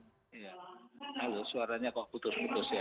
halo suaranya kok putus putus ya